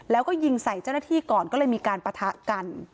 แล้วก็ยิงใส่เจ้าหน้าที่ก่อนก็เลยมีการปะทะกัน